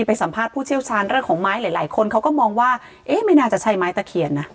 สัมภาษณ์ผู้เชี่ยวชาญเรื่องของไม้หลายหลายคนเขาก็มองว่าเอ๊ะไม่น่าจะใช่ไม้ตะเคียนนะ